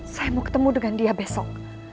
saya mau ketemu dengan dia besok